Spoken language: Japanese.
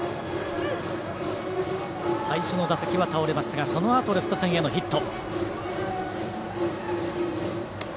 最初の打席は倒れましたがそのあとレフト線へのヒット。